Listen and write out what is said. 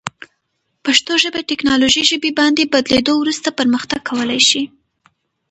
پښتو ژبه تکنالوژي ژبې باندې بدلیدو وروسته پرمختګ کولی شي.